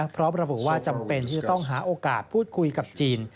พร้อมระบุว่าจำเป็นที่จะต้องหาโอกาสพูดคุยกับจีน